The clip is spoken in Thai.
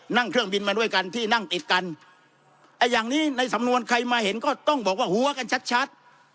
นั่งเครื่องบินมาด้วยกันที่นั่งติดกันไอ้อย่างนี้ในสำนวนใครมาเห็นก็ต้องบอกว่าหัวกันชัดชัด